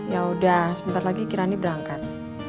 ya udah sebentar lagi kirani berangkat